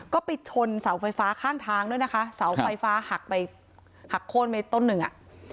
ก็ไปชนเสาไฟฟ้าข้างทางด้วยนะคะเสาไฟฟ้าหักไปหักโค้นไปต้นหนึ่งอ่ะ